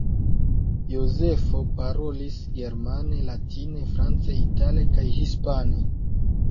Jozefo parolis germane, latine, france, itale kaj hispane.